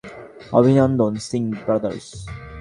অভিনন্দন, সিং ব্রাদার্স।